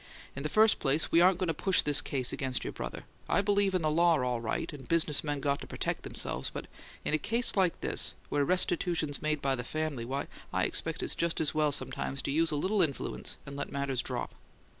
"In the first place, we aren't going to push this case against your brother. I believe in the law, all right, and business men got to protect themselves; but in a case like this, where restitution's made by the family, why, I expect it's just as well sometimes to use a little influence and let matters drop.